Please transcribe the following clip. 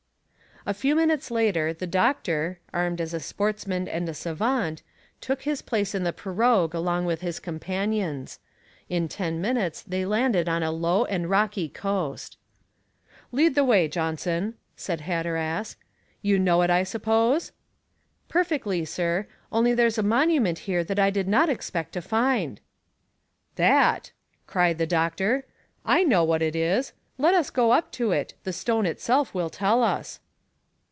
A few minutes later the doctor, armed as a sportsman and a savant, took his place in the pirogue along with his companions; in ten minutes they landed on a low and rocky coast. "Lead the way, Johnson," said Hatteras. "You know it, I suppose?" "Perfectly, sir; only there's a monument here that I did not expect to find!" "That!" cried the doctor; "I know what it is; let us go up to it; the stone itself will tell us."